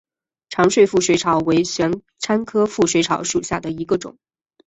长穗腹水草为玄参科腹水草属下的一个种。